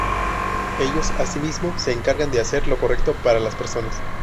Ellos, asimismo se encargan de hacer lo correcto para las personas.